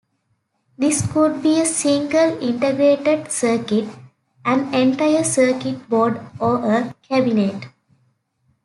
This could be a single integrated circuit, an entire circuit board or a cabinet.